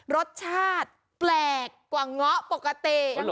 รสชาติแปลกกว่าเงาะปกติ